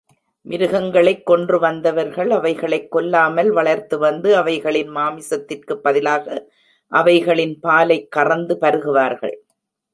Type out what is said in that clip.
மிருகங்களைக் கொன்று வந்தவர்கள் அவைகளைக் கொல்லாமல் வளர்த்துவந்து அவைகளின் மாமிசத்திற்குப் பதிலாக அவைகளின் பாலைக் கறந்து பருகுவார்கள்.